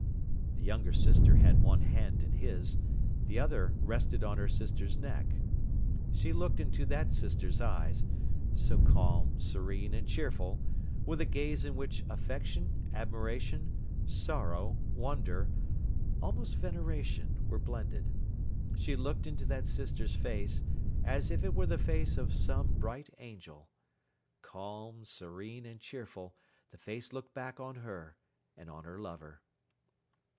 The younger sister had one hand in his; the other rested on her sister's neck. She looked into that sister's eyes, so calm, serene, and cheerful, with a gaze in which affection, admiration, sorrow, wonder, almost veneration, were blended. She looked into that sister's face, as if it were the face of some bright angel. Calm, serene, and cheerful, the face looked back on her and on her lover.